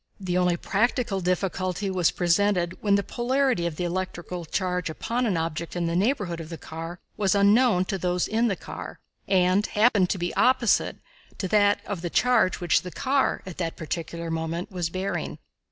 The only practical difficulty was presented when the polarity of the electrical charge upon an object in the neighborhood of the car was unknown to those in the car, and happened to be opposite to that of the charge which the car, at that particular moment, was bearing.